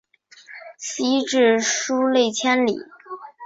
西至疏勒千里。